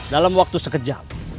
dalam waktu sekejap